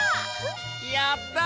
やったね！